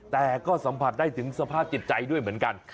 แต่ก็สัมผัสได้ถึงสภาพจิตใจด้วยเหมือนกัน